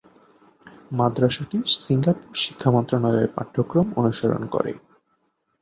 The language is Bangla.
মাদ্রাসাটি সিঙ্গাপুর শিক্ষা মন্ত্রণালয়ের পাঠ্যক্রম অনুসরণ করে।